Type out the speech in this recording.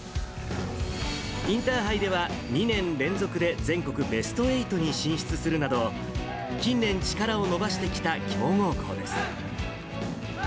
インターハイでは２年連続で全国ベスト８に進出するなど、近年、力を伸ばしてきた強豪校です。